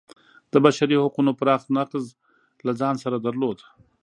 د بشري حقونو پراخ نقض له ځان سره درلود.